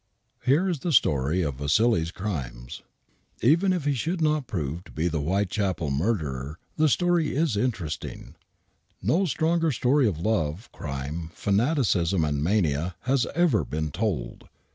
Here is the story of iN'assili's crimes. Even if he should not prove to be the Whitechapel murderer, the story is interesting: !N'o stronger story of love, crime, fanaticism and mania has ever been told.